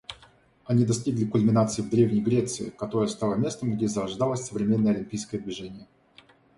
Они достигли кульминации в древней Греции, которая стала местом, где зарождалось современное Олимпийское движение.